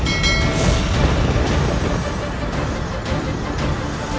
tidak perlu ditertabungkan